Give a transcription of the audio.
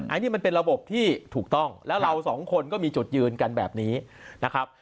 อันนี้มันเป็นระบบที่ถูกต้องแล้วเราสองคนก็มีจุดยืนกันแบบนี้นะครับ